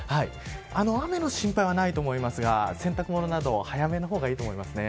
雨の心配はないと思いますが洗濯物などは早めの方がいいと思いますね。